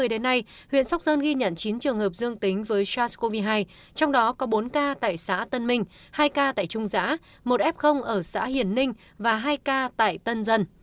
đến nay huyện sóc sơn ghi nhận chín trường hợp dương tính với sars cov hai trong đó có bốn ca tại xã tân minh hai ca tại trung giã một f ở xã hiền ninh và hai ca tại tân dân